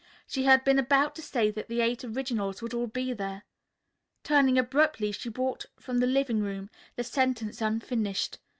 She had been about to say that the Eight Originals would all be there. Turning abruptly she walked from the living room, the sentence unfinished.